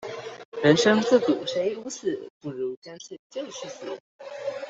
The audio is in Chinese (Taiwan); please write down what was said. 人生自古誰無死，不如乾脆就去死